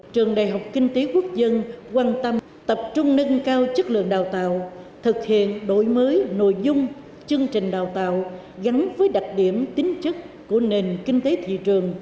trường đại học kinh tế quốc dân quan tâm tập trung nâng cao chất lượng đào tạo thực hiện đổi mới nội dung chương trình đào tạo gắn với đặc điểm tính chất của nền kinh tế thị trường